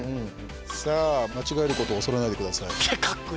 さあ、間違えることを恐れないでください。